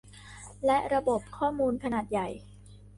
และระบบข้อมูลขนาดใหญ่